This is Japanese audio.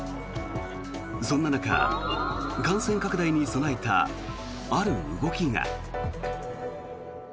そんな中、感染拡大に備えたある動きが。